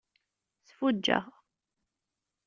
Sfuǧǧeɣ.